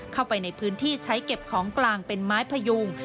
เข้าไปในพื้นที่ใช้เก็บของกลางเป็นไม้พยุง